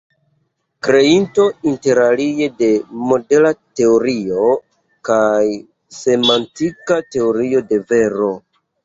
Kreinto interalie de modela teorio kaj semantika teorio de vero.